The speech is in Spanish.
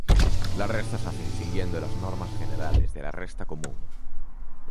La resta se hace siguiendo las normas generales de la resta común.